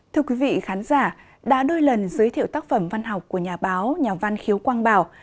thưa quý vị khán giả đã đôi lần giới thiệu tác phẩm văn học của nhà báo nhà văn khiếu quang bảo